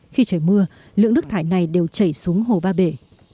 khi trời mưa lượng nước thải này đều chảy xuống hồ ba bể